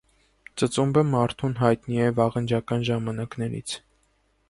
Ծծումբը մարդուն հայտնի է վաղնջական ժամանակներից։